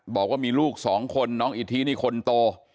บอกว่ามีลูกสองคนน้องอิทธินี่คนโต